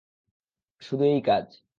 শুধু এই কাজ।